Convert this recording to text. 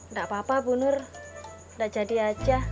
nggak apa apa bu nur nggak jadi aja